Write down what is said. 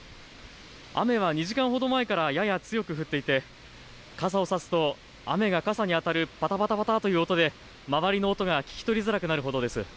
雨は２時間ほど前からやや強く降っていて傘を差すと雨が傘に当たる、パタパタという音で周りの音が聞き取りづらくなるほどです。